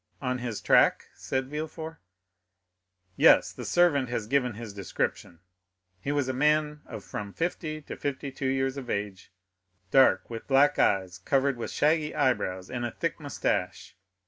"On his track?" said Villefort. "Yes, the servant has given his description. He is a man of from fifty to fifty two years of age, dark, with black eyes covered with shaggy eyebrows, and a thick moustache.